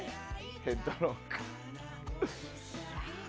ヘッドロック。